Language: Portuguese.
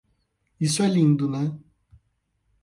Isso é lindo, né?